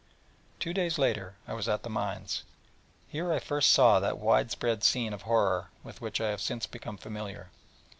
Two days later I was at the mines: and here I first saw that wide spread scene of horror with which I have since become familiar.